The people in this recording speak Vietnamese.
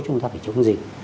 chúng ta phải chống dịch